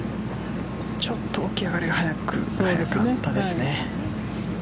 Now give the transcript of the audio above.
ちょっと起き上がりが早かったですね。